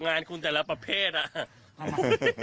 งานคุณแต่ละประเภทอ่ะ